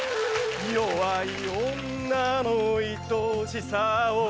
弱い女のいとしさを